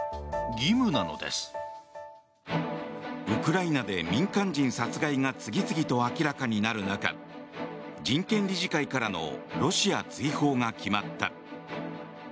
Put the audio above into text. ウクライナで民間人殺害が次々と明らかになる中人権理事会からのロシア追放が決まった。